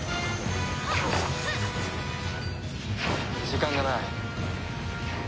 時間がない。